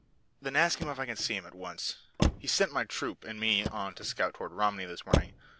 "Then ask him if I can see him at once. He sent my troop and me on a scout toward Romney this morning.